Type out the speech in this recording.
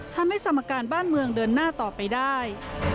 ทำให้สมการบ้านเมืองเดินหน้าต่อไปได้